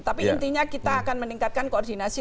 tapi intinya kita akan meningkatkan koordinasi